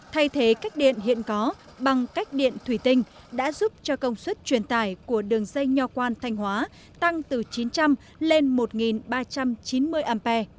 thay thế cách điện hiện có bằng cách điện thủy tinh đã giúp cho công suất truyền tải của đường dây nho quan thanh hóa tăng từ chín trăm linh lên một ba trăm chín mươi ampe